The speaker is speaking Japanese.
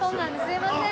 すいません。